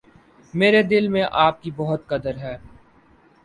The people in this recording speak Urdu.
میرے دل میں آپ کی بہت قدر ہے۔